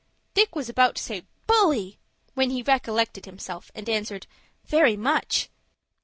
Dick was about to say "Bully," when he recollected himself, and answered, "Very much."